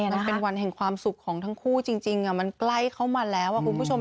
มันเป็นวันแห่งความสุขของทั้งคู่จริงมันใกล้เข้ามาแล้วคุณผู้ชม